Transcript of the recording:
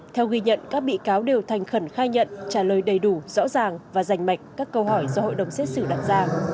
theo ghi nhận các bị cáo đều thành khẩn khai nhận trả lời đầy đủ rõ ràng và rành mạch các câu hỏi do hội đồng xét xử đặt ra